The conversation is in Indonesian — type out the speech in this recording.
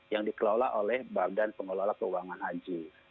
yang dikelola oleh badan pengelola keuangan haji